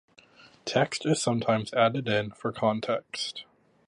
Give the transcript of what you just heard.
Text is sometimes added in for context.